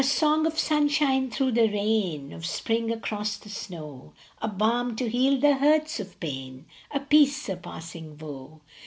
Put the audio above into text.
SONG of sunshine through the rain, Of spring across the snow, A balm to heal the hurts of pain, A peace surpassing woe.